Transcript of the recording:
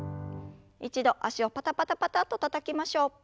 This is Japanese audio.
一度脚をパタパタパタッとたたきましょう。